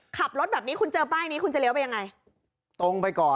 ขับรถแบบนี้คุณเจอป้ายนี้คุณจะเลี้ยวไปอย่างไร